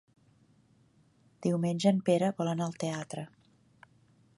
Diumenge en Pere vol anar al teatre.